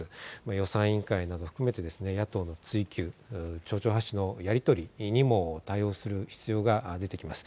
予算委員会など含めて野党の追及、丁々発止のやり取りにも対応する必要が出てきます。